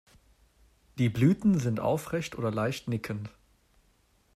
Die Blüten sind aufrecht oder leicht nickend.